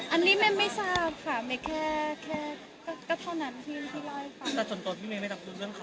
อันนี้เมมไม่ทราบค่ะเมมแค่เท่านั้นที่ร้อยฟา